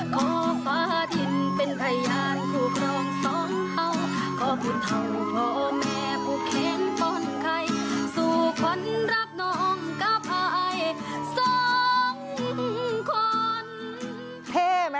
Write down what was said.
ขอบุตเท่าพ่อแม่ผู้เค้งต้นไข่สู่ควันรับน้องกะพายสองคน